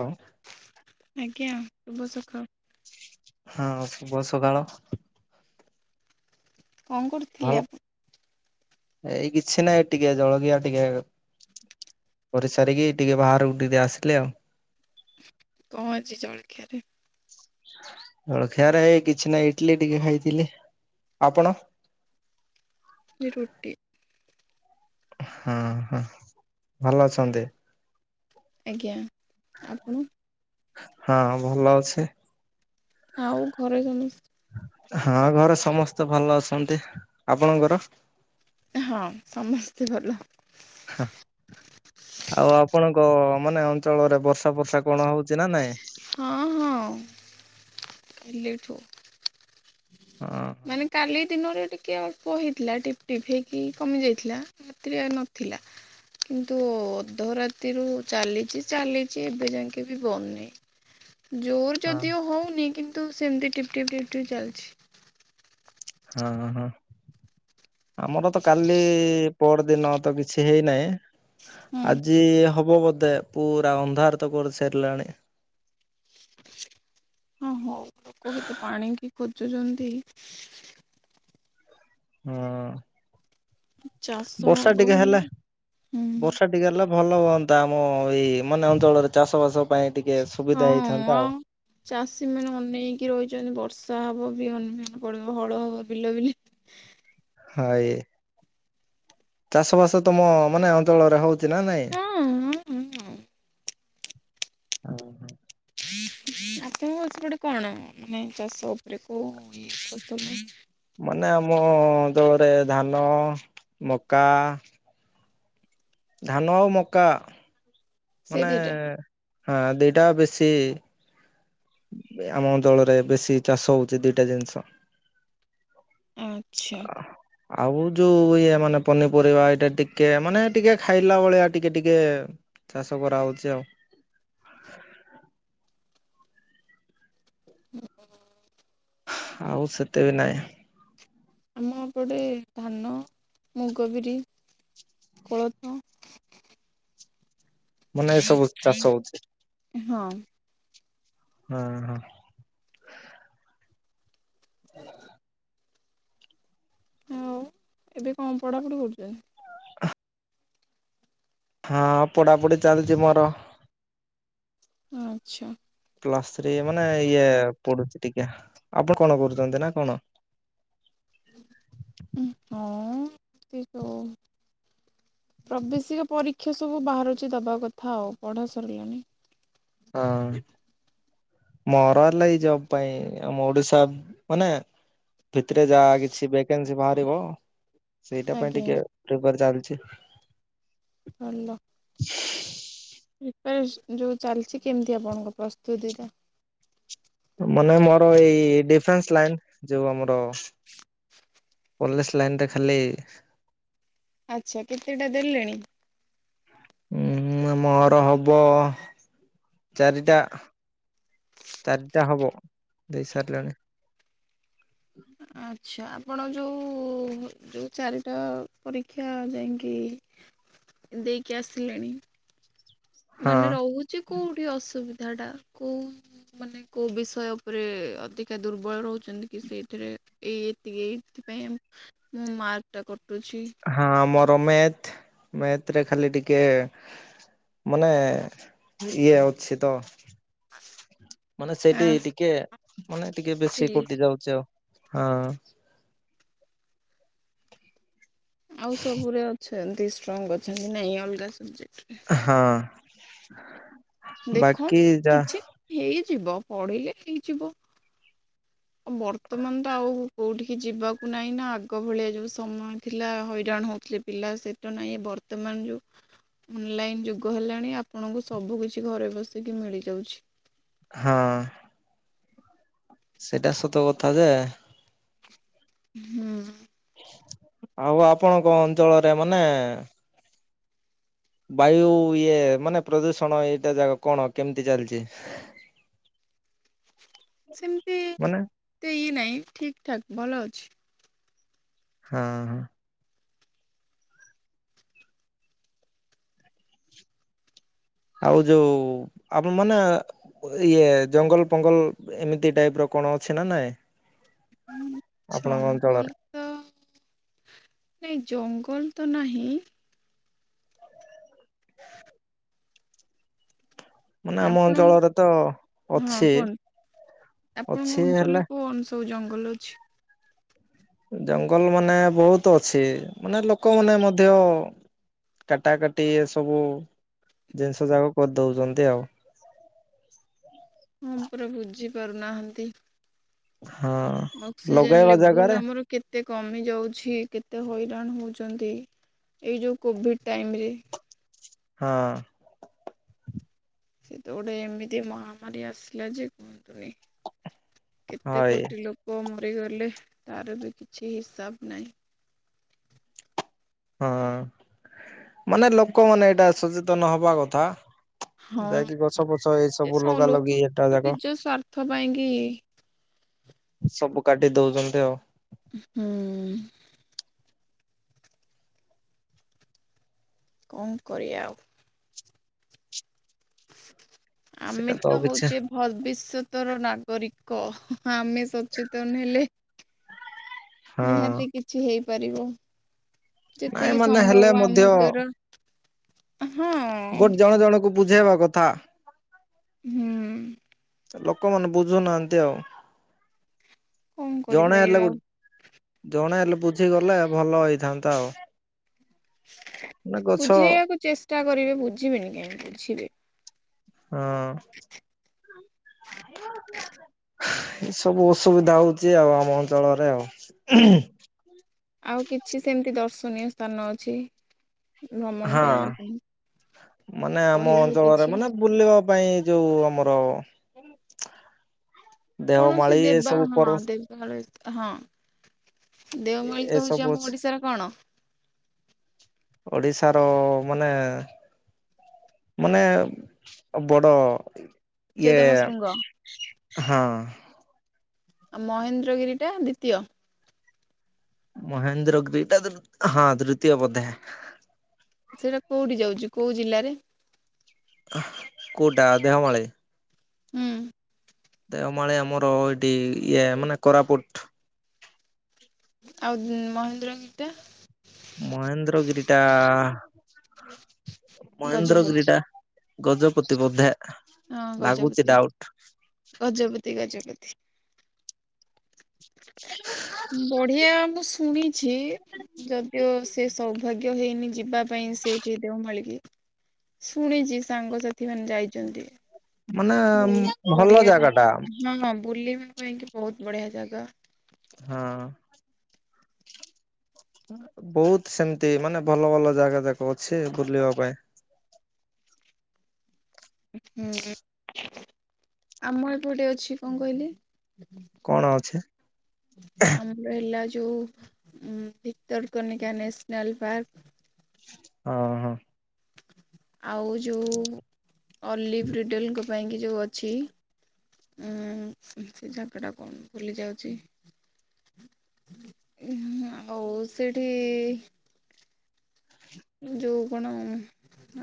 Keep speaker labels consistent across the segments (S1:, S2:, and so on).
S1: କଣ।
S2: ଆଜ୍ଞା ଶୁଭ ସକାଳ।
S1: ହଁ ଶୁଭ ସକାଳ।
S2: କଣ କରୁ
S1: ଭଲ ଏଇ କିଛି ନାହିଁ ଟିକେ ଜଳଖିଆ ଟିକେ କରି ସାରିକି ଟିକେ ବାହାରକୁ ଟିକେ ଆସିଲି ଆଉ।
S2: କଣ ହେଇଛି ଜଳଖିଆରେ?
S1: ଜଳଖିଆରେ ଏଇ କିଛି ନାଇ ଇଟିଲି ଟିକେ ଖାଇଥିଲି ଆପଣ।
S2: ରୁଟି।
S1: ହଁ ହଁ ଭଲ ଅଛନ୍ତି।
S2: ଆଜ୍ଞା ଆପଣ।
S1: ହଁ ଭଲ ଅଛି।
S2: ଆଉ ଘରେ ସମସ୍ତେ।
S1: ହଁ ଘରେ ସମସ୍ତେ ଭଲ ଅଛନ୍ତି ଆପଣଙ୍କର।
S2: ହଁ ସମସ୍ତେ ଭଲ।
S1: ହଁ ଆଉ ଆପଣଙ୍କ ମାନେ ଅଞ୍ଚଳରେ ବର୍ଷା। ବର୍ଷା କଣ ହଉଛି ନା ନାଇଁ?
S2: ହଁ ହଁ। ଏଲେଠୁ। ହୁଁ [inaudible]
S1: ହଁ।
S2: ମାନେ କାଲି ଦିନରେ ଟିକେ ଅଳ୍ପ ହେଇଥିଲା ଟିପ ଟିପ ହେଇକି କମି ଯାଇଥିଲା। ରାତିରେ ନଥିଲା। କିନ୍ତୁ ଅଧ ରାତିରୁ ଚାଲିଚି ଚାଲିଚି ଏବେ ଯାକେ ବି ବନ୍ଦ ନାହିଁ। ଜୋର୍
S1: ହଁ
S2: ଯଦିଓ ହଉନି କିନ୍ତୁ ସେମିତି ଟିପ୍ ଟିପ୍ ଟିପ୍ ଚାଲିଛି।
S1: ହଁ ହଁ। ଆମର ତ କାଲି ପଅର ଦିନ ତ କିଛି ହେଇନାହିଁ।
S2: ହୁଁ
S1: ଆଜି ହବ ବୋଧେ ପୁରା ଅନ୍ଧାର ତ କରି ସାରିଲାଣି।
S2: ହଁ ହୋଉ ଲୋକ କେତେ ପାଣିକି ଖୋଜୁଛନ୍ତି।
S1: ହଁ
S2: ଚାଷ ହବ
S1: ବର୍ଷା ଟିକେ
S2: ବୋଲି
S1: ହେଲେ
S2: ହୁଁ।
S1: ବର୍ଷା ଟିକେ ହେଲେ ଭଲ ହୁଅନ୍ତା ଆମ ଏଇ ମାନେ ଅଞ୍ଚଳରେ ଚାଷ ବାସ ପାଇଁ ଟିକେ ସୁବିଧା ହେଇଥାନ୍ତା ଆଉ।
S2: ଚାଷୀ ମାନେ ଅନେଇକି ରହିଚନ୍ତି ବର୍ଷା ହବ ବିହନ ଫିଅନ ପଡିବ ହଳ ହବ ବିଲ ବିଲି।
S1: ହାଏ। ଚାଷବାସ ତମ ମାନେ ଅଞ୍ଚଳରେ ହୋଉଚି ନା ନାଇଁ?
S2: ହଁ ହଁ। ହଁ
S1: [inaudible]
S2: ଆପଣଙ୍କ ସେପଟ କଣ ମାନେ ଚାଷ ଓପୋରେ କୋଉ [unintelligible]
S1: ମାନେ ଆମ ଅଞ୍ଚଳରେ ଧାନ ମକା ଧାନ ମକା
S2: ସେ
S1: ମାନେ
S2: ଦିଟା
S1: ହଁ ଦଇଟା ବେଶୀ ଆମ ଅଞ୍ଚଳରେ ବେଶୀ ଚାଷ ହୋଉଚି ଦିଟା ଜିନିଷ।
S2: ଆଚ୍ଛା।
S1: ଆଉ ଯୋଉ ଇଏ ମାନେ ପନିପରିବା ଏଇଟା ଟିକେ ମାନେ ଟିକେ ଖାଇଲା ଭଳିଆ ଟିକେ ଟିକେ ଚାଷ କରାହୋଉଚି ଆଉ।
S2: [unintelligible]
S1: ଆଉ ସେତେ ବି ନାଇଁ।
S2: ଆମ ଏପଟେ ଧାନ, ମୁଗ, ବିରି, କୋଳଥୋ।
S1: ମାନେ ଏ ସବୁ ଚାଷ ହୋଉଚି
S2: ହଁ
S1: ହୁଁ ହଁ।
S2: [inaudible] ଆଉ ଏବେ କଁ ପଢ଼ାପଢ଼ି କରୁଚନ୍ତି।
S1: ହଁ ପଢ଼ାପଢ଼ି ଚାଲିଚି ମୋର।
S2: ଆଚ୍ଛା।
S1: ପ୍ଲସ ଥ୍ରୀ ମାନେ ଇଏ ପଡୁଛି ଟିକେ ଆପଣ କଣ କରୁଚନ୍ତି ନା କଣ।
S2: ହଁ ସେଇ ଯୋଉ ପ୍ରବେଶିକା ପରୀକ୍ଷା ସବୁ ବାହାରୁଛି ଦବା କଥା ଆଉ ପଢ଼ା ସରିଲାଣି।
S1: ହଁ। ମୋର ହେଲେ ଏଇ ଜବ୍ ପାଇଁ ଆମ ଓଡିଶା ମାନେ ଭିତିରେ ଯାହା କିଛି ଭେକେନ୍ସି ବାହାରିବ। ସେଇଟା ପାଇଁ
S2: ଆଜ୍ଞା
S1: ଟିକେ ପ୍ରିପାୟାର୍ ଚାଲିଛି।
S2: ଭଲ।
S1: [inaudible]
S2: ପ୍ରିପାରେଶ୍ ଯେଉଁ ଚାଲିଚି କେମିତି ଆପଣଙ୍କ ପ୍ରସ୍ତୁତିଟା।
S1: ମାନେ ମୋର ଏଇ ଡିଫେନ୍ସ୍ ଲାଇନ୍ ଯୋଉ ଆମର ପୁଲିସ୍ ଲାଇନ୍ ରେ ଖାଲି
S2: ଆଚ୍ଛା କେତେଟା ଦେଲେଣି।
S1: ଉଁହୁଁ ନା ମୋର ହବ ଚାରିଟା। ଚାରିଟା ହବ ଦେଇସାରିଲେଣି।
S2: ଆଚ୍ଛା ଆପଣ ଯୋଉ ଯୋଉ ଚାରିଟା ପରୀକ୍ଷା ଯାଇଁକି ଦେଇକି ଆସିଲେଣି।
S1: ହଁ
S2: ମାନେ ରୋହୁଚି କୋଉଠି ଅସୁବିଧା ଟା କୋଉ ମାନେ କୋଉ ବିଷୟ ଓପୋରେ ଅଧିକା ଦୁର୍ବଳ ରୋହୁଚନ୍ତି କି ସେଇଥିରେ। ଏଇ ଏତିକି ଏଇ ଏଥିପାଇଁ ଆମ୍ ଉଁ ମାର୍କ ଟା କଟୁଛି।
S1: ହଁ ମୋର ମେଥ୍ ମେଥ୍ ରେ ଖାଲି ଟିକିଏ ମାନେ ଇଏ ଅଛି ତ। ମାନେ ସେଇଟି
S2: ଆଁ
S1: ଟିକେ ମାନେ ଟିକେ ବେଶୀ
S2: ବୁଝିଲି।
S1: କୁଟି ଯାଉଛି ଆଉ। ହଁ।
S2: ଆଉ ସବୁରେ ଅଛେନ୍ତି ଷ୍ଟ୍ରଙ୍ଗ ଅଛନ୍ତି ନାଇଁ ଅଲଗା ସବଜେକ୍ଟରେ।
S1: ହଁ
S2: ଦେଖ
S1: ବାକି ଯା
S2: କିଛି ହେଇଯିବ ପଢ଼ିଲେ ହେଇଯିବ। ବର୍ତ୍ତମାନ ତ ଆଉ କୋଉଠିକି ଯିବାକୁ ନାଇଁ ନା ଆଗ ଭଳିଆ ଯୋଉ ସମୟ ଥିଲା ହଇରାଣ ହୋଉଥିଲେ। ପିଲା [unintelligible] ନାହିଁ ଏ ବର୍ତ୍ତମାନ ଯୋଉ ଅନଲାଇନ୍ ଯୁଗ ହେଲାଣି ଆପଣଙ୍କୁ ସବୁ କିିଛି ଘରେ ବସିକି ମିଳିଯାଉଛି।
S1: ହଁ। ସେଇଟା ସତ କଥା ଯେ
S2: ହୁଁ।
S1: ଆଉ ଆପଣଙ୍କ ଅଞ୍ଚଳରେ ମାନେ ବାୟୁ ଇଏ ମାନେ ପ୍ରଦୂଷଣ ଏଇଟା ଜାଗା କଣ କେମିତି ଚାଲିଛି?
S2: ସେମିତି
S1: ମାନେ
S2: ଏତେ ଇଏ ନାହିଁ ଠିକ୍ ଠାକ୍ ଭଲ ଅଛି।
S1: ହଁ ହଁ। ଆଉ ଯୋଉ ଆପଣ ମାନେ ଇଏ ଜଙ୍ଗଲ ଫଙ୍ଗଲ୍ ଏମିତି ଟାଇପ୍ ର କଣ ଅଛି ନା ନାଇଁ?
S2: ହୁଁ
S1: ଆପଣଙ୍କ ଅଞ୍ଚଳରେ?
S2: ଜଙ୍ଗଲ ତ ନାଇଁ ଜଙ୍ଗଲ ତ ନାହିଁ। [inaudible]
S1: ମାନେ ଆମ
S2: ଆପଣ
S1: ଅଞ୍ଚଳରେ ତ
S2: ହଁ
S1: ଅଛି
S2: କୁହନ୍ତ।
S1: ଅଛି
S2: ଆପଣଙ୍କ
S1: ହେଲେ
S2: ଅଞ୍ଚଳରେ କୋଉ ଜଙ୍ଗଲ ଅଛି?
S1: ଜଙ୍ଗଲ ମାନେ ବହୁତ ଅଛି ମାନେ ଲୋକମାନେ ମଧ୍ୟ କାଟା କାଟି ଏ ସବୁ ଜିନିଷ ଯାକ କରିଦଉଛନ୍ତି ଆଉ।
S2: ହଁ ପରା ବୁଝି ପାରୁନାହାଁନ୍ତି।
S1: ହଁ।
S2: ଅକ୍ସିଜେନ
S1: ଲଗେଇବା
S2: ଲେବୁଲ
S1: ଜାଗାରେ
S2: ଆମର କେତେ କମି ଯାଉଛି କେତେ ହଇରାଣ ହଉଛନ୍ତି। ଏଇ ଯେଉଁ କୋଭିଡ଼୍ ଟାଇମ୍ ରେ
S1: ହଁ।
S2: ସେ ତ ଗୋଟେ ଏମିତି ମହାମାରୀ ଆସିଲା ଯେ କୁହନ୍ତୁନି। କେତେ
S1: ହଇ
S2: କୋଟି ଲୋକ ଲୋକ ମରିଗଲେ ତାର ବି କିଛି ହିସାବ ନାହିଁ।
S1: ହଁ ମାନେ ଲୋକମାନେ ଏଇଟା ସଚେତନ ହବା କଥା।
S2: ହଁ
S1: ଯାଇକି ଗଛ ଫଛ ଏଇ
S2: ଏ
S1: ସବୁ
S2: ସ-
S1: ଲଗା ଲଗି
S2: ଲୋକ
S1: ଏଟା ଯାକ
S2: ନିଜ ସ୍ଵାର୍ଥ ପାଇଁ କି
S1: ସବୁ କାଟି ଦଉଛନ୍ତି ଆଉ।
S2: ହୁଁ। କଣ କରିଆ ଆଉ? ଆମେ
S1: ସେଇଟା
S2: ତ
S1: ଆଉ କିଛି
S2: ହଉଛେ ଭବିଷ୍ୟତର ନାଗରିକ ଆମେ ସଚେତନ ହେଲେ
S1: [inaudible]
S2: ନିହାତି କିଛି ହେଇପାରିବ,
S1: ନାଇଁ
S2: ଯେତିକି
S1: ମାନେ ହେଲେ
S2: ସମ୍ଭବ
S1: ମଧ୍ୟ
S2: ଆମ ଦ୍ଵାରା। ହଁ
S1: ଗୋଟେ ଜଣେ ଜଣଙ୍କୁ ବୁଝେଇବା କଥା।
S2: ହୁଁ। ହୁଁ।
S1: ଲୋକମାନେ ବୁଝୁନାହାନ୍ତି ଆଉ।
S2: କଣ
S1: ଜଣେ
S2: କରିପାରିବା
S1: ହେଲେ
S2: ଆଉ
S1: ଗୋଟେ ଜଣେ ହେଲେ ବୁଝିଗଲେ ଭଲ ହେଇଥାନ୍ତା ଆଉ। ମାନେ ଗଛ
S2: ବୁଝେଇବାକୁ ଚେଷ୍ଟା କରିବେ ବୁଝିବେନି କାହିଁକି ବୁଝିବେ।
S1: ହଁ।
S2: [inaudible]
S1: [inaudible] ଏ ସବୁ ଅସୁବିଧା ହଉଛି ଆଉ ଆମ ଅଞ୍ଚଳରେ ଆଉ।
S2: ଆଉ କିଛି ସେମତି ଦର୍ଶନୀୟ ସ୍ଥାନ ଅଛି ଭ୍ରମଣ
S1: ହଁ
S2: ପାଇଁ ଆପଣ
S1: ମାନେ ଆମ
S2: କହିବେ
S1: ଅଞ୍ଚଳରେ
S2: କିଛି?
S1: ମାନେ ବୁଲିବା ପାଇଁ ଯୋଉ ଆମର [inaudible]
S2: କୌଣସି
S1: ଦେଓମାଳି ଏ
S2: ଦେବା
S1: ସବୁ
S2: ହଁ
S1: ପର୍ବ
S2: ଦେ [unintelligible] ହଁ। ଦେଓମାଳୀ
S1: ଏ
S2: ତ
S1: ସବୁ
S2: ହଉଚି ଆମ
S1: ଅଛି
S2: ଓଡିଶାର କଣ?
S1: ଓଡିଶାର ମାନେ ମାନେ ବଡ଼ ଇଏ
S2: ଉଚ୍ଚତମ ଶୃଙ୍ଗ
S1: ହଁ।
S2: ଆ ମହେନ୍ଦ୍ରଗିରି ଟା ଦ୍ଵିତୀୟ।
S1: ମହେନ୍ଦ୍ରଗିରି ଟା ତ ହଁ ଦୃତୀୟ ବୋଧେ।
S2: ସେଇଟା କୋଉଠି ଯାଉଚି କୋଉ ଜିଲ୍ଲାରେ?
S1: କୋଉଟା ଦେଓମାଳି?
S2: ହୁଁ।
S1: ଦେଓମାଳି ଆମର ଏଠି ଇଏ ମାନେ କୋରାପୁଟ୍।
S2: ଆଉ ମହେନ୍ଦ୍ରଗିରି ଟା?
S1: ମହେନ୍ଦ୍ରଗିରିଟା
S2: ଗଜପତି
S1: ମହେନ୍ଦ୍ରଗିରିଟା ଗଜପତି ବୋଧେ।
S2: ହଁ
S1: ଲାଗୁଛି
S2: ଗଜପତି।
S1: ଡାଉଟ
S2: ଗଜପତି ଗଜପତି। ବଢିଆ ମୁଁ ଶୁଣିଛି, ଯଦିଓ ସେ ସେ ସୌଭାଗ୍ୟ ହେଇନି ଯିବା ପାଇଁ ସେଇଠି ଦେଓମାଳି କି। ଶୁଣିଚି ସାଙ୍ଗସାଥି ମାନେ ଯାଇଛନ୍ତି।
S1: ମାନେ
S2: ବହୁତ
S1: ଭଲ
S2: ବଢିଆ
S1: ଟା
S2: ଜାଗା। ହଁ ବୁଲିବା ପାଇଁ କି ବହୁତ ବଢିଆ ଜାଗା।
S1: ହଁ। ବହୁତ୍ ସେମତି ମାନେ ଭଲ ଭଲ ଜାଗା ଦେଖିବ ଅଛି ବୁଲିବା ପାଇଁ।
S2: ହୁଁ ହୁଁ ଆମ ଏପଟେ ଅଛି କଣ କହିଲେ?
S1: କଣ ଅଛି?
S2: ଆମର ହେଲା ଯୋଉ ଉଁ ଭିତରକନିକା ନେସନାଲ୍ ପାର୍କ।
S1: ଅ ହଁ।
S2: ଆଉ ଯୋଉ ଅଲିଭ୍ ରିଡ଼େଲଙ୍କ ପାଇଁ କି ଯୋଉ ଅଛି। ଉଁ ସେ ଜାଗା ଟା କଣ ଭୁଲି ଯାଉଚି। ଉଁ ହୁଁ ଆଉ ସେଠି ଯୋଉ କଣ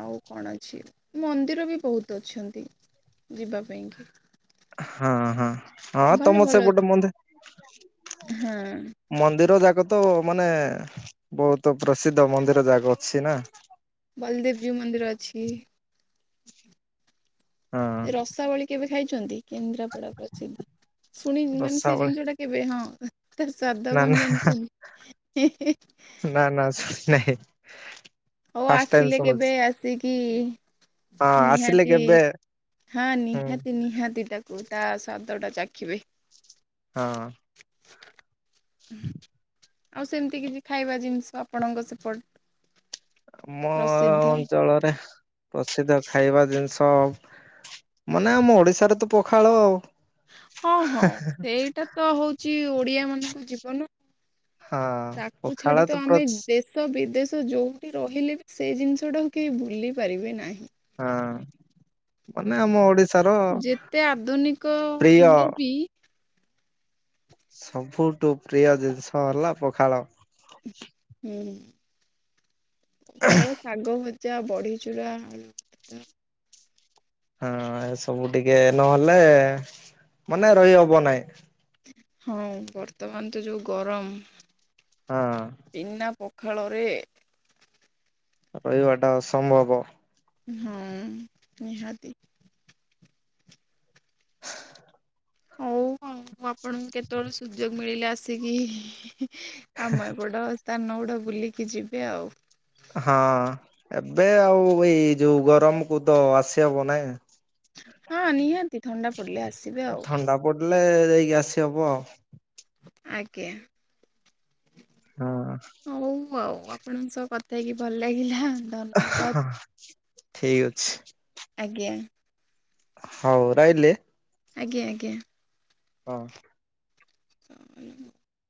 S2: ଆଉ କଣ ଅଛି? ମନ୍ଦିର ବି ବହୁତ ଅଛନ୍ତି ଯିବା ପାଇଁ କି।
S1: ହଁ ହଁ। ହଁ
S2: ଭଲ
S1: ତମ
S2: ଭଲ
S1: ସେପଟେ ବୋଧେ
S2: ହଁ
S1: ମନ୍ଦିର ଜାକ ତ ମାନେ ବହୁତ ପ୍ରସିଦ୍ଧ ମନ୍ଦିର ଜାକ ଅଛି ନା।
S2: ବଲଦେବଜୀଉ ମନ୍ଦିର ଅଛି।
S1: ହଁ
S2: ରସାବଳୀ କେବେ ଖାଇଛନ୍ତି କେନ୍ଦ୍ରାପଡା ପ୍ରସିଦ୍ଧ? ଶୁଣିି ମାନେ ସେ
S1: ରସାବଳି
S2: ଜିନିଷ ଟା କେବେ ହଁ। ତାର ସ୍ୱାଦ
S1: ନା ନା
S2: କଣ ଜାଣିଚନ୍ତି?
S1: ନା ନା ଶୁଣି ନାହିଁ।
S2: ହଉ
S1: ଫାଷ୍ଟ ଟାଇମ
S2: ଆସିଲେ କେବେ
S1: ଶୁଣୁଛି।
S2: ଆସିକି
S1: ହଁ ଆସିଲେ
S2: ନିହାତି
S1: କେବେ
S2: ହଁ
S1: ହୁଁ
S2: ନିହାତି ନିହାତି ତା କୁ ତା ସ୍ଵାଦଟା ଚାଖିବେ।
S1: ହଁ।
S2: ଆଉ ସେମତି କିଛି ଖାଇବା ଜିନିଷ ଆପଣଙ୍କ ସେପଟେ
S1: ଆମ ଅଞ୍ଚଳରେ ପ୍ରସିଦ୍ଧ ଖାଇବା ଜିନିଷ, ମାନେ ଆମ ଓଡିଶାରେ ତ ପଖାଳ ଆଉ।
S2: ହଁ ହଁ ସେଇଟା ତ ହଉଚି ଓଡିଆ ମାନଙ୍କ ଜୀବନ।
S1: ହଁ
S2: ତାକୁ ଛାଡି
S1: ପଖାଳ
S2: ତ ଆମେ
S1: ପ୍ରଚ୍
S2: ଦେଶ୍ ଦେଶ ବିଦେଶ ଯୋଉଠି ରହିଲେ ବି ସେ ଜିନିଷଟାକୁ କେହି ଭୁଲି ପାରିବେ ନାହିଁ।
S1: ହଁ। ମାନେ ଆମ ଓଡି
S2: ଯେତେ ଆଧୁନିକ
S1: ପ୍ରିୟ
S2: ହେଲେ ବି
S1: ସବୁଠୁ ପ୍ରିୟ ଜିନିଷ ହେଲା ପଖାଳ।
S2: ହୁଁ। ପଖାଳ, ଶାଗ ଭଜା, ବଢି ଚୁରା, ଆ
S1: ହଁ ସବୁ ଟିକେ ନହେଲେ ମାନେ ରହି ହବ ନାହିଁ।
S2: ହଁ ବର୍ତ୍ତମାନ ତ ଯୋଉ ଗରମ।
S1: ହଁ।
S2: ବିନା ପଖାଳରେ।
S1: ରହିବା ଟା ଅସମ୍ଭବ।
S2: ହୁଁ ନିହାତି। ହଉ ଆଉ ମୁଁ ଆପଣଙ୍କୁ କେତେବେଳେ ସୁଯୋଗ ମିଳିଲେ ଆସିକି ହି ହି। ଆମ ଏପଟ ସ୍ଥାନ ଗୁଡ଼ା ବୁଲିକି ଯିବେ ଆଉ।
S1: ହଁ ଏବେ ଆଉ ଏଇ ଯୋଉ ଗରମ କୁ ତ ଆସିହବ ନାଇ।
S2: ହଁ ନିହାତି ଥଣ୍ଡା ପଡିଲେ ଆସିବେ।
S1: ଏ
S2: ଆଉ
S1: ଥଣ୍ଡା ପଡିଲେ ଯାଇକି ଆସି ହବ ଆଉ।
S2: ଆଜ୍ଞା।
S1: ହଁ।
S2: ହଉ ଆଉ ଆପଣଙ୍କ ସହ କଥା ହେଇକି ଭଲ ଲାଗିଲା ହାଁ।
S1: ହାଁ ଠିକ ଅଛି।
S2: ଆଜ୍ଞା।
S1: ହଉ ରହିଲି।
S2: ଆଜ୍ଞା ଆଜ୍ଞା।
S1: ହଁ।